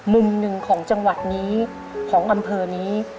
มุมหนึ่งของจังหวัดนี้ของอำเภอนี้